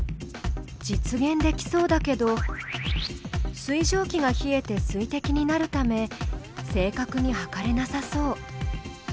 実現できそうだけど水蒸気が冷えてすいてきになるため正確に測れなさそう。